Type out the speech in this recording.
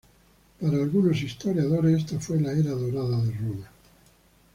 Para algunos historiadores esta fue la era dorada de Roma.